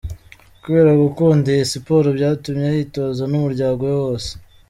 Kubera gukunda iyi siporo, byatumye ayitoza n’umuryango we wose.